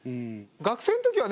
学生のときはね